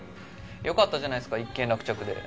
よかったじゃないですか一件落着で。